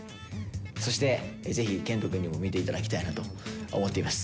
そしてぜひ健人くんにも見て頂きたいなと思っています。